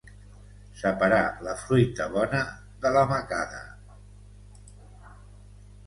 Separar la fruita bona de la macada.